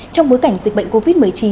trong bối cảnh dịch bệnh covid một mươi chín